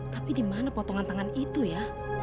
tapi di mana potongan tangan itu ya